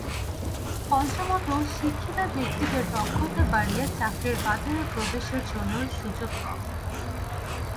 পঞ্চমত, শিক্ষিত ব্যক্তিদের দক্ষতা বাড়িয়ে চাকরির বাজারে প্রবেশের জন্য সুযোগ কম।